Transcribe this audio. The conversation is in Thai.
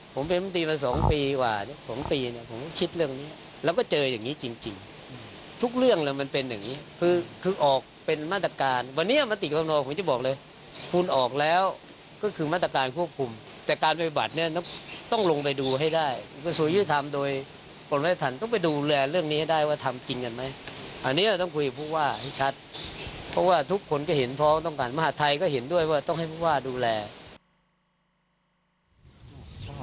ผมเป็นภาษาภาษาภาษาภาษาภาษาภาษาภาษาภาษาภาษาภาษาภาษาภาษาภาษาภาษาภาษาภาษาภาษาภาษาภาษาภาษาภาษาภาษาภาษาภาษาภาษาภาษาภาษาภาษาภาษาภาษาภาษาภาษาภาษาภาษาภาษาภาษา